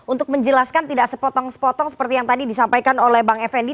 untuk menjelaskan tidak sepotong sepotong seperti yang tadi disampaikan oleh bang effendi